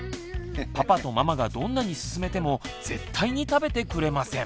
パパとママがどんなにすすめても絶対に食べてくれません。